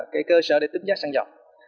cái cơ sở để tính giá xăng dầu